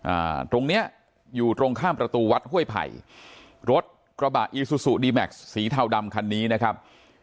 ตรงเนี้ยอยู่ตรงข้ามประตูวัดห้วยไผ่รถกระบะอีซูซูดีแม็กซ์สีเทาดำคันนี้นะครับ